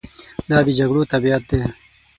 دا د جګړو طبیعت دی.